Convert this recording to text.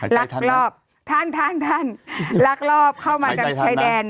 หายใจทันนะท่านลากลอบเข้ามาชายแดนนะ